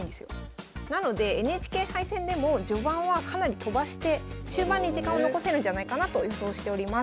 なのでＮＨＫ杯戦でも序盤はかなりとばして終盤に時間を残せるんじゃないかなと予想しております。